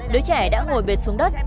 đứa trẻ đã ngồi bệt xuống đất